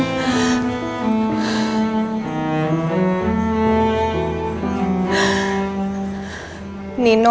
aku akan terserah